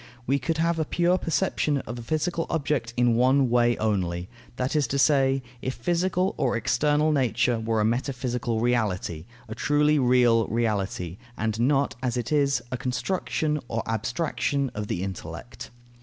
We could have a pure perception of a physical object in one way only; that is to say, if physical or external nature were a metaphysical reality, a truly real reality, and not, as it is, a construction or abstraction of the intellect.